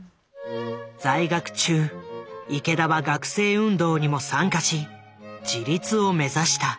在学中池田は学生運動にも参加し自立を目指した。